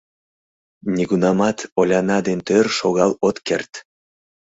Нигунамат Оляна ден тор шогал от керт!